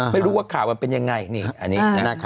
ไม่รู้ว่าข่าวเค้าเป็นยังไง